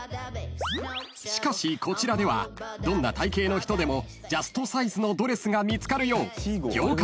［しかしこちらではどんな体形の人でもジャストサイズのドレスが見つかるよう業界一サイズを網羅］